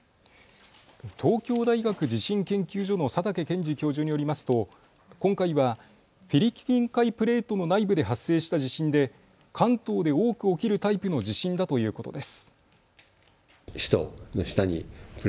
東京大学地震研究所の佐竹健治教授によりますと今回はフィリピン海プレートの内部で発生した地震で関東で多く起きるタイプの地震だということです。